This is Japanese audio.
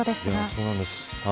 そうなんです。